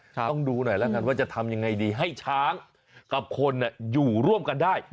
ต้องดูหน่อยแล้วกันว่าจะทำยังไงดีให้ช้างกับคนอยู่ร่วมกันได้